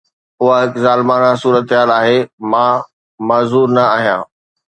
اها هڪ ظالمانه صورتحال آهي، مان معذور نه آهيان